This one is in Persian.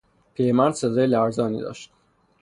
پیر مرد صدای لرزانی داشت.